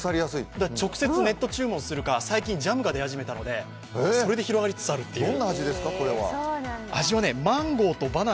直接ネット注文するか、最近ジャムが出始めたので、それで広がりつつあるという。